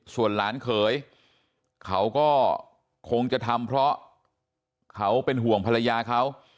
ส่วนหลานเขยเขาก็คงจะทำเพราะเขาเป็นห่วงภรรยาเขา